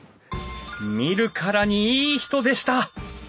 見るからにいい人でした！